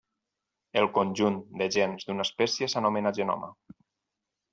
El conjunt de gens d'una espècie s'anomena genoma.